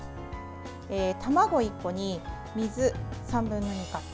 卵１個に、水３分の２カップ。